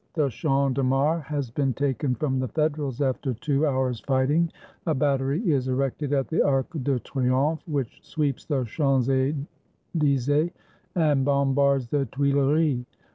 The Champ de Mars has been taken from the Federals after two hours' fighting. A battery is erected at the Arc de Triomphe, which sweeps the Champs Ely sees and bombards the Tuileries.